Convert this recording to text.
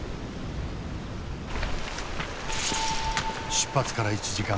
出発から１時間半。